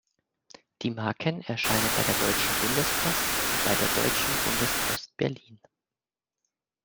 Die Marken erschienen bei der Deutschen Bundespost und bei der Deutschen Bundespost Berlin.